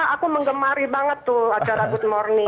aku mengemari banget tuh acara good morning